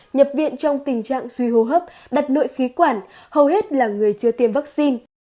nhập viện trong tình trạng suy hô hấp đặt nội khí quản hầu hết là người chưa tiêm vaccine